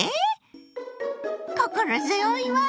心強いわ！